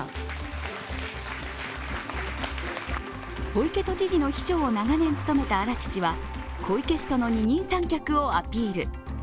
小池都知事の秘書を長年務めた荒木氏は小池氏との二人三脚をアピール。